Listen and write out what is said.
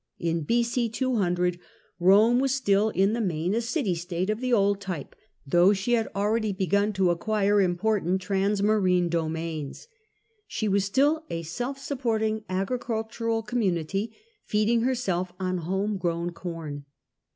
In B.c. 200 Rome was still in the main a city state of the old type, though she had already begun to acquire important transmarine domains. She was still a self supporting agricultural community, feeding herself on home grown corn.